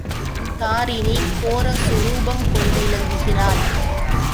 தாரிணி கோர சொரூபம் கொண்டிலங்குகிறாள்.